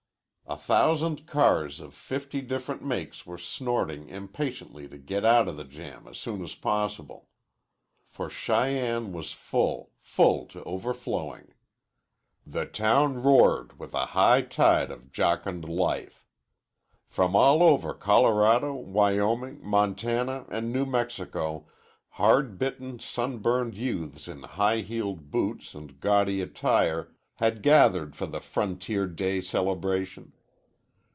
A thousand cars of fifty different makes were snorting impatiently to get out of the jam as soon as possible. For Cheyenne was full, full to overflowing. The town roared with a high tide of jocund life. From all over Colorado, Wyoming, Montana, and New Mexico hard bitten, sunburned youths in high heeled boots and gaudy attire had gathered for the Frontier Day celebration.